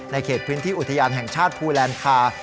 เขตพื้นที่อุทยานแห่งชาติภูแลนคา